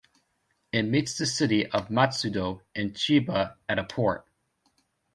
It meets the city of Matsudo in Chiba at a point.